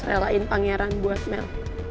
relain pangeran buat mel